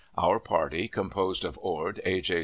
Our party, composed of Ord, A. J.